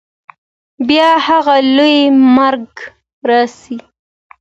بیا هغه لوی مرګ راسي